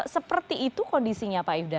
seperti itu kondisinya pak ifda